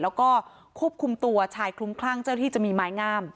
แล้วก็ควบคุมตัวชายคลุ้มคลั่งเจ้าที่จะมีไม้งาม